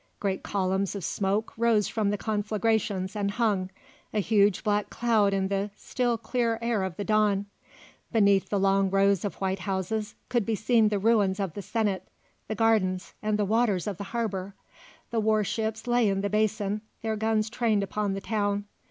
Great columns of smoke rose from the conflagrations and hung, a huge black cloud in the still clear air of the dawn. Beneath the long rows of white houses could be seen the ruins of the Senate, the gardens, and the waters of the harbour. The warships lay in the basin, their guns trained upon the town.